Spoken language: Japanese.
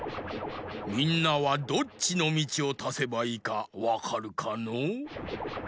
みんなはどっちのみちをたせばいいかわかるかのう？